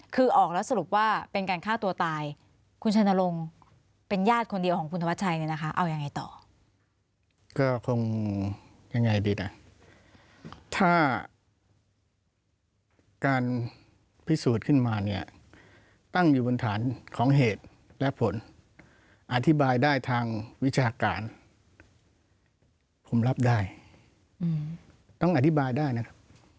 ก็คงยังไงดีนะถ้าการพิสูจน์ขึ้นมาเนี่ยตั้งอยู่บนฐานของเหตุและผลอธิบายได้ทางวิชาการผมรับได้ต้องอธิบายได้นะครับ